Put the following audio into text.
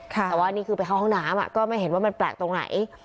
แต่ว่านี่คือไปเข้าห้องน้ำก็ไม่เห็นว่ามันแปลกตรงไหน